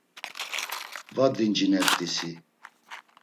Va dincinert̆i si.